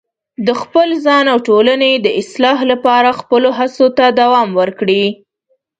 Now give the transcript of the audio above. د خپل ځان او ټولنې د اصلاح لپاره خپلو هڅو ته دوام ورکړئ.